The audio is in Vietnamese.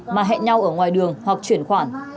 mà hẹn nhau ở ngoài đường hoặc chuyển khoản